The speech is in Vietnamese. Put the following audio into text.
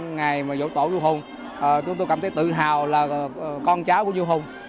ngày rỗ tổ vua hùng chúng tôi cảm thấy tự hào là con cháu của vua hùng